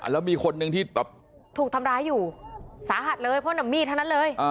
แล้วมีคนหนึ่งที่แบบถูกทำร้ายอยู่สาหัสเลยเพราะนำมีดทั้งนั้นเลย